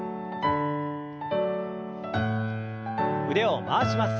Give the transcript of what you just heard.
腕を回します。